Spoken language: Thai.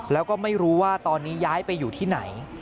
แล้วก็ไม่รู้ว่าตอนนี้ย้ายไปอยู่ที่ไหน